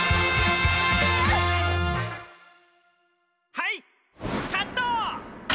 はいカット！